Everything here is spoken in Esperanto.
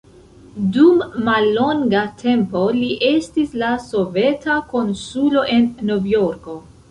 Dum mallonga tempo li estis la soveta konsulo en Novjorko.